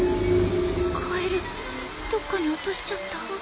カエルどっかに落としちゃった。